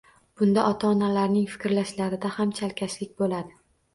Bunda ota-onalarning fikrlashlarida ham chalkashlik bo‘ladi.